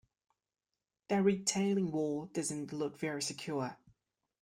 That retaining wall doesn’t look very secure